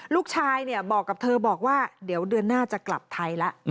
ลูกชายบอกกับเธอบอกว่าเดี๋ยวเดือนหน้าจะกลับไทยแล้ว